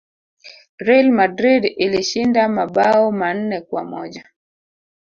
real madrid ilishinda mabao manne kwa moja